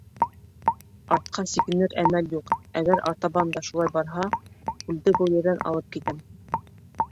Артҡа сигенер әмәл юҡ, әгәр артабан да шулай барһа, күлде был ерҙән алып китәм.